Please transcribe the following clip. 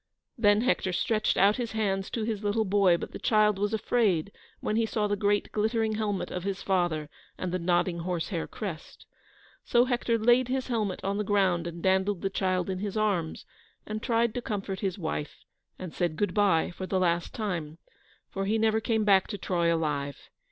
Then Hector stretched out his hands to his little boy, but the child was afraid when he saw the great glittering helmet of his father and the nodding horsehair crest. So Hector laid his helmet on the ground and dandled the child in his arms, and tried to comfort his wife, and said good bye for the last time, for he never came back to Troy alive.